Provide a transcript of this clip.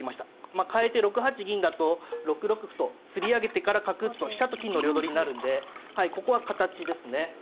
まあかえて６八銀だと６六歩とつり上げてから角打つと飛車と金の両取りになるんでここは形ですね。